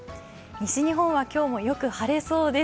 西日本は今日もよく晴れそうです。